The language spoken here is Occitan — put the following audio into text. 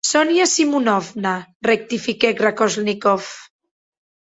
Sonia Simonovna, rectifiquèc Raskolnikov.